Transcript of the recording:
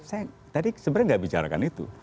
saya tadi sebenarnya tidak bicarakan itu